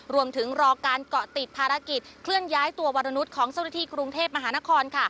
รอการเกาะติดภารกิจเคลื่อนย้ายตัววรนุษย์ของเจ้าหน้าที่กรุงเทพมหานคร